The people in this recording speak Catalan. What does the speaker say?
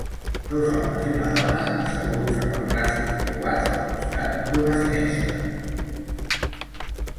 Dos homes i una dona asseguts amb els braços creuats al costat d'una finestra